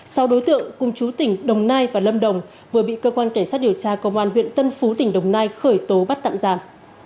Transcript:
sau đối tượng cùng chú tỉnh đồng nai và lâm đồng vừa bị cơ quan cảnh sát điều tra công an huyện tân phú tỉnh đồng nai khởi tố bắt tạm giam